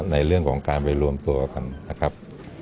ในเรื่องของการไปรวมตัวกันนะครับ